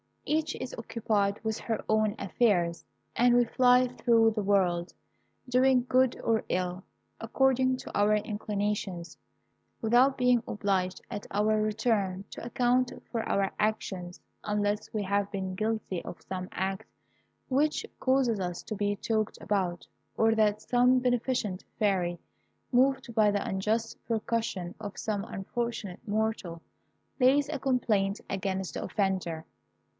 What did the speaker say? Each is occupied with her own affairs, and we fly through the world, doing good or ill, according to our inclinations, without being obliged at our return to account for our actions, unless we have been guilty of some act which causes us to be talked about, or that some beneficent fairy, moved by the unjust persecution of some unfortunate mortal, lays a complaint against the offender.